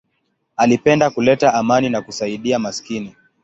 Alipenda kuleta amani na kusaidia maskini.